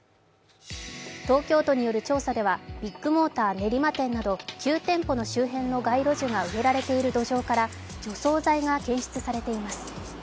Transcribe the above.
東京都による調査ではビッグモーター練馬店など、９店舗の周辺の街路樹が植えられている土壌から除草剤が検出されています。